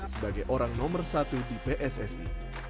sebagai orang nomor satu di pssi